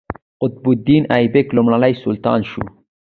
قطب الدین ایبک لومړی سلطان شو.